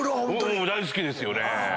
僕も大好きですよね。